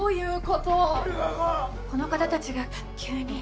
この方たちが急に。